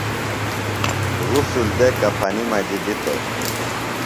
غسل دےۡ کفنیۡ مجیۡ دِتوۡ ۔